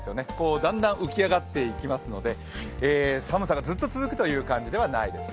だんだん浮き上がっていきますので寒さがずっと続くという感じではないですよ。